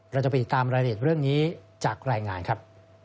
เราจะไปติดตามรายละเอียดเรื่องนี้จากรายงานครับ